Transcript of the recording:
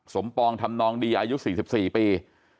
สมปองทำนองดีอายุ๔๔ปี